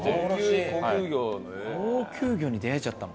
高級魚に出会えちゃったの？